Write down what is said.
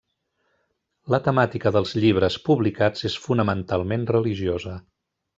La temàtica dels llibres publicats és fonamentalment religiosa.